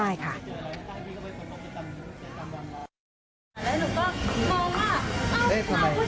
แล้วเขาก็ยื่นโทรศัพท์มาอย่างนี้พี่เหมือนเดิมพี่มาอย่างนี้